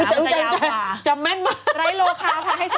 จำแม่นมอง